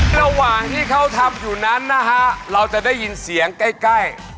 ระหว่างที่เขาทำอยู่นั้นนะฮะเราจะได้ยินเสียงใกล้